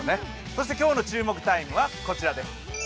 そして今日の注目タイムはこちらです。